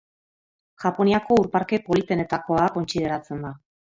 Japoniako ur-parke politenetakoa kontsideratzen da.